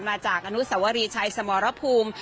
จากอนุสวรีชัยสมรภูมิ